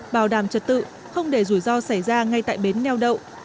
bảo đảm trật tự không để rủi ro xảy ra ngay tại bến neo đậu